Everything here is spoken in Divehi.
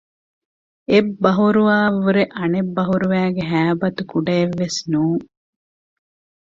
އެއް ބަހުރުވައަށް ވުރެ އަނެއް ބަހުރުވައިގެ ހައިބަތު ކުޑައެއްވެސް ނޫން